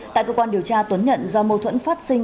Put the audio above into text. tại cơ quan điều tra tuấn nhận do mâu thuẫn phát sinh